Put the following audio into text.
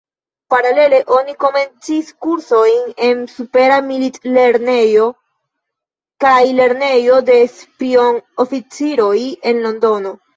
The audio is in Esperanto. Paralele oni komencis kursojn en Supera Milit-Lernejo kaj Lernejo de Spion-Oficiroj en Londono.